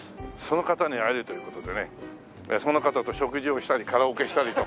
その方に会えるという事でねその方と食事をしたりカラオケしたりとかね